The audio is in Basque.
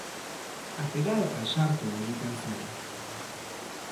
Atera eta sartu egiten zuen.